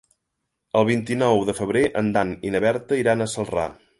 El vint-i-nou de febrer en Dan i na Berta iran a Celrà.